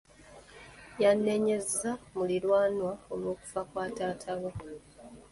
Yanenyezza muliraanwa olw'okufa kwa taata we.